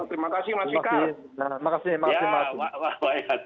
terima kasih pak fikar